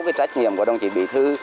cái trách nhiệm của đồng chí bí thư